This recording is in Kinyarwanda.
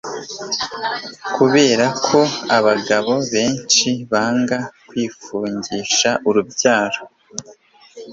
kubera ko abagabo benshi banga kwifungisha urubyaro